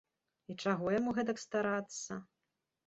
І чаго яму гэтак старацца?